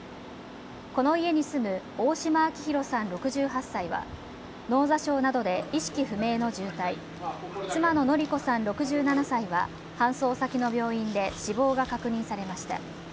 この家に住む大島章弘さん、６８歳は脳挫傷などで意識不明の重体妻の典子さん、６７歳は搬送先の病院で死亡が確認されました。